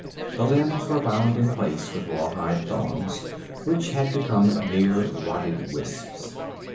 The limbs were bound in place with rawhide thongs which had become mere rotted wisps.